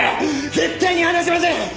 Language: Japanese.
絶対に離しません！